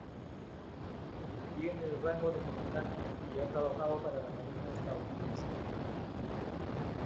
Tiene el rango de comandante, y ha trabajado para la Marina Estadounidense.